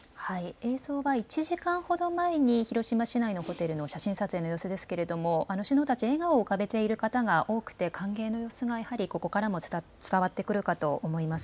映像は１時間ほど前に広島市内のホテルの写真撮影の様子ですけれども、首脳たち、笑顔を浮かべている方が多くて、歓迎の様子がやはりここからも伝わってくるかと思います。